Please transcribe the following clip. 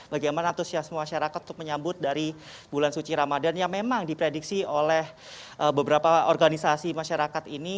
bagaimana antusiasme masyarakat untuk menyambut dari bulan suci ramadan yang memang diprediksi oleh beberapa organisasi masyarakat ini